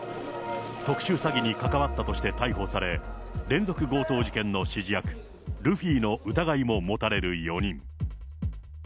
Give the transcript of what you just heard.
特殊詐欺に関わったとして逮捕され、連続強盗事件の指示役、ルフィの疑いも持たれる４人。